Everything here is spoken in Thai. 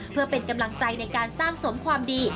เพื่อเป็นกำลังใจในการสร้างสมความดี